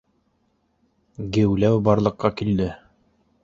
Геүләү барлыҡҡа килде